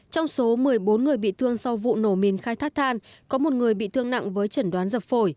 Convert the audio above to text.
trong số một mươi bốn người bị thương sau vụ nổ mìn khai thác than có một người bị thương nặng với chẩn đoán dập phổi